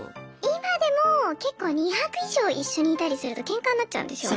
今でもけっこう２泊以上一緒にいたりするとケンカになっちゃうんですよ。